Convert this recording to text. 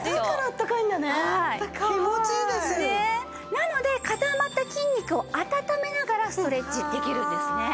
なのでかたまった筋肉を温めながらストレッチできるんですね。